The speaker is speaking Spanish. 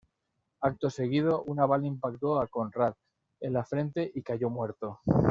Acto seguido, una bala impactó a Conrad en la frente y cayó muerto.